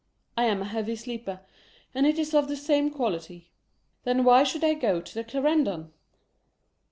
I am a heavy sleeper, and it is of the same quality. Then why should I go to the Clarendon?